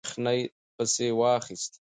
یخنۍ پسې واخیست.